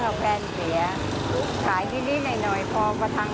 ขนมข้างลูกข้าง